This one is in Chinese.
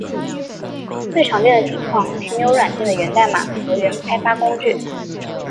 最常见的情况是没有软件的源代码和原开发工具。